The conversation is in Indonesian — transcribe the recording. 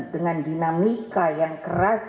dengan dinamika yang keras